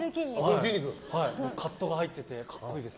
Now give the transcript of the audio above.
カットが入ってて、格好いいです。